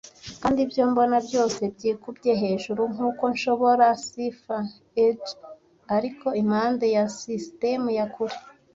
Kandi ibyo mbona byose byikubye hejuru nkuko nshobora cipher edge ariko impande ya sisitemu ya kure.